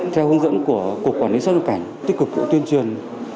theo hướng dẫn của cục quản lý xuất nhập cảnh tích cực cũng tuyên truyền